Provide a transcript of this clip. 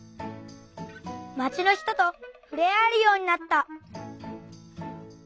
「まちの人とふれあえるようになった」。